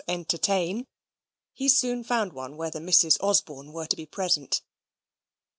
entertain, he soon found one where the Misses Osborne were to be present.